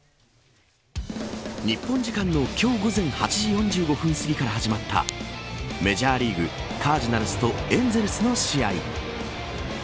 日本時間の今日午前８時４５分すぎから始まったメジャーリーグカージナルスとエンゼルスの試合。